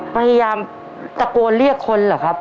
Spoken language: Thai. พยายามตะโกนเรียกคนเหรอครับ